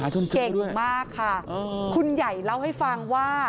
เก่งมากค่ะคุณใหญ่เล่าให้ฟังว่า